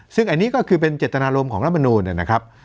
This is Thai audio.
ซึ่งอันนี้ก็คือเป็นเจตนารมณ์ของรัฐมนูลนะครับ